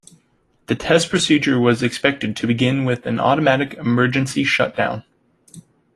The test procedure was expected to begin with an automatic emergency shutdown.